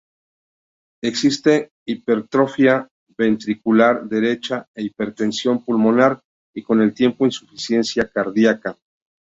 Existe hipertrofia ventricular derecha e hipertensión pulmonar y, con el tiempo, insuficiencia cardíaca.